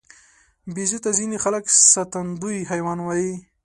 بیزو ته ځینې خلک ساتندوی حیوان وایي.